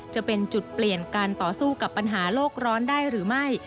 จะเป็นจุดเปลี่ยนการต่อสู้กับปัญหาโลกร้อนได้หรือไม่